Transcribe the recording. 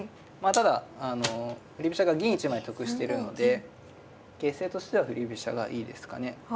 ただあの振り飛車が銀１枚得してるので形勢としては振り飛車がいいですかね。